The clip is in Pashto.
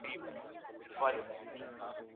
حزبيان او جمعيتيان په خپلو افکارو کي توپير لري.